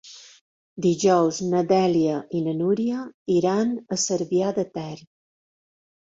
Dijous na Dèlia i na Núria iran a Cervià de Ter.